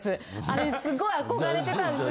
あれすごい憧れてたんで。